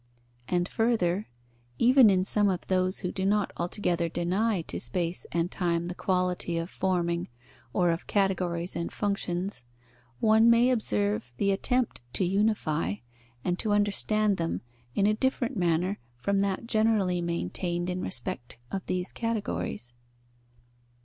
And further, even in some of those who do not altogether deny to space and time the quality of forming or of categories and functions, one may observe the attempt to unify and to understand them in a different manner from that generally maintained in respect of these categories.